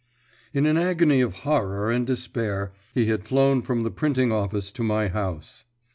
In an agony of horror and despair he had flown from the printing office to my house.